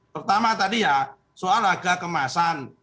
pertama tadi ya soal harga kemasan